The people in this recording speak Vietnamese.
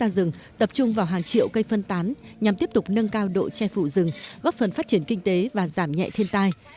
rừng tập trung vào hàng triệu cây phân tán nhằm tiếp tục nâng cao độ che phủ rừng góp phần phát triển kinh tế và giảm nhẹ thiên tai